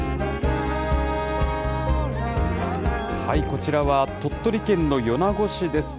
こちらは鳥取県の米子市です。